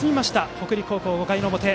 北陸高校の５回の表。